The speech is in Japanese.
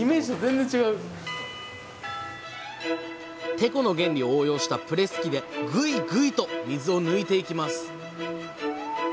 テコの原理を応用したプレス機でグイグイと水を抜いていきます。